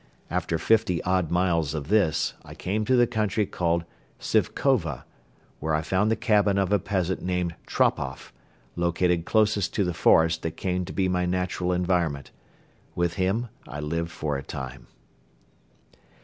After fifty odd miles of this I came to the country called Sifkova, where I found the cabin of a peasant named Tropoff, located closest to the forest that came to be my natural environment. With him I lived for a time.